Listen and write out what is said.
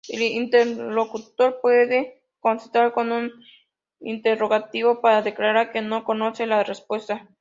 El interlocutor puede contestar con un interrogativo para declarar que no conoce la respuesta.